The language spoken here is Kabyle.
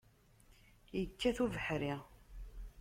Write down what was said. Yekkat ubeḥri.